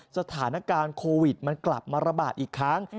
สถานการณ์โควิดมันกลับมาระบาดอีกครั้ง